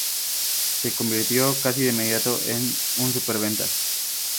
Se convirtió, casi de inmediato, en un superventas.